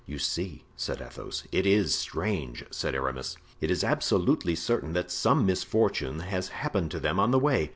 "You see," said Athos. "It is strange," said Aramis. "It is absolutely certain that some misfortune has happened to them on the way."